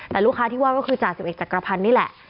แต่ลูกค้าที่ว่าก็คือจ่า๑๑จักรพรณนี่แหละ